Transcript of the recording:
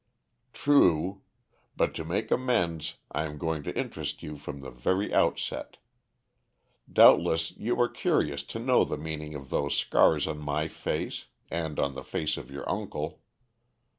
"True. But to make amends I am going to interest you from the very outset. Doubtless you are curious to know the meaning of those scars on my face and on the face of your uncle.